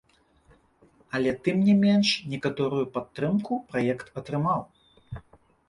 Але тым не менш, некаторую падтрымку праект атрымаў.